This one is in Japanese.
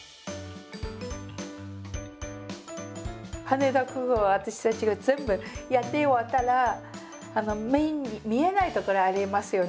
羽田空港は私たちが全部やって終わったら目に見えない所ありますよね